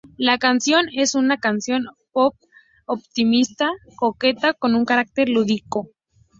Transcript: La canción es una, canción pop optimista coqueta con un carácter lúdico.